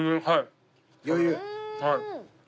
はい。